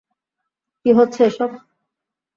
কী হচ্ছে এসব?